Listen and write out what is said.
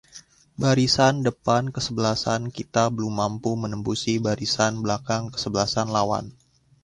barisan depan kesebelasan kita belum mampu menembusi barisan belakang kesebelasan lawan